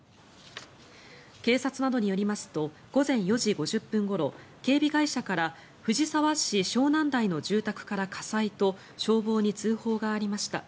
警察などによりますと午前４時５０分ごろ警備会社から藤沢市湘南台の住宅から火災と消防に通報がありました。